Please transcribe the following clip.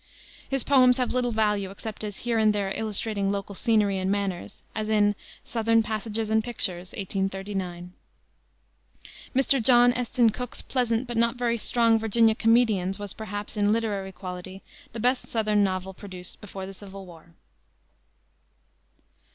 His poems have little value except as here and there illustrating local scenery and manners, as in Southern Passages and Pictures, 1839. Mr. John Esten Cooke's pleasant but not very strong Virginia Comedians was, perhaps, in literary quality the best southern novel produced before the civil war.